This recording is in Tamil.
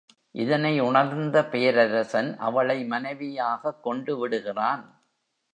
இதனையுணர்ந்த பேரரசன் அவளை மனைவியாகக் கொண்டுவிடுகிறான்.